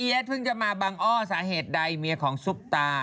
เพิ่งจะมาบังอ้อสาเหตุใดเมียของซุปตา